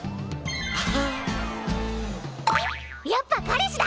やっぱ彼氏だ！